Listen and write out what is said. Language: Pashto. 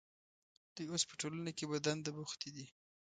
دوی اوس په ټولنه کې په دنده بوختې دي.